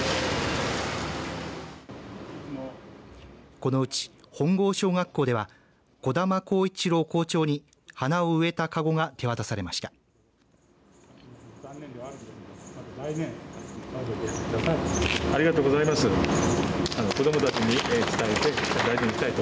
このうち、本郷小学校では小玉浩一郎校長に花を植えたかごが手渡されました。